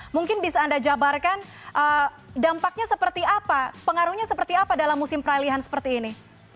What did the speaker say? mungkin bisa anda jabarkan dampaknya seperti apa pengaruhnya seperti apa dalam musim peralihan seperti ini